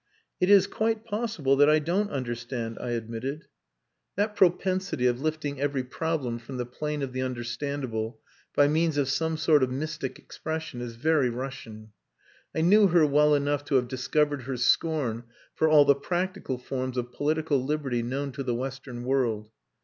"It is quite possible that I don't understand," I admitted. That propensity of lifting every problem from the plane of the understandable by means of some sort of mystic expression, is very Russian. I knew her well enough to have discovered her scorn for all the practical forms of political liberty known to the western world.